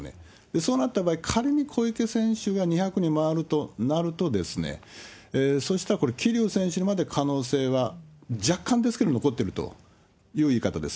そうなった場合、仮に小池選手が２００に回るとなると、そうしたら、これ、桐生選手にまで可能性は若干ですけど残ってるという言い方です。